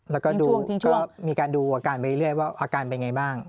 แล้วก็มีการดูอาการไปเรื่อยว่าอาการเป็นไงบ้าง